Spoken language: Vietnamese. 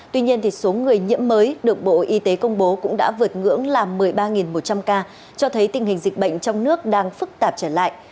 tuy nhiên số người nhiễm mới được bộ y tế công bố cũng đã vượt ngưỡng là một mươi ba một trăm linh ca cho thấy tình hình dịch bệnh trong nước đang phức tạp trở lại